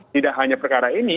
tidak hanya perkara ini